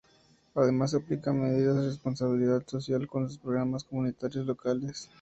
Además aplica medidas de responsabilidad social con sus programas comunitarios locales.